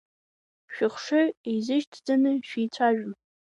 Шәыхшыҩ еизышьҭӡаны шәеицәажәон.